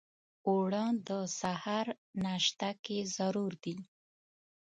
اوړه د سهار ناشته کې ضرور دي